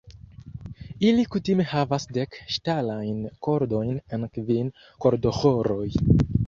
Ili kutime havas dek ŝtalajn kordojn en kvin kordoĥoroj.